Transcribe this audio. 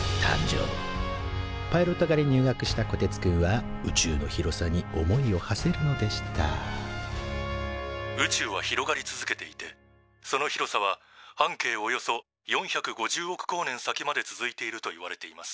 パイロット科に入学したこてつくんは宇宙の広さに思いをはせるのでした「宇宙は広がり続けていてその広さは半径およそ４５０億光年先まで続いているといわれています」。